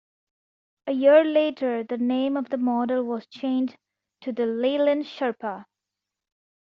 A year later the name of the model was changed to the "Leyland Sherpa".